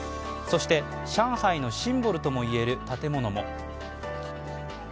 そして上海のシンボルともいえる建物も。